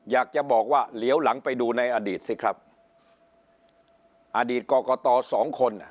อยากจะบอกว่าเหลียวหลังไปดูในอดีตสิครับอดีตกรกตสองคนอ่ะ